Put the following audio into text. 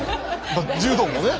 柔道もね。